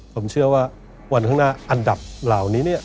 ผมเชื่อว่าวันข้างหน้าอันดับเหล่านี้เนี่ย